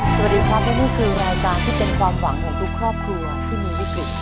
สวัสดีครับและนี่คือรายการที่เป็นความหวังของทุกครอบครัวที่มีวิกฤต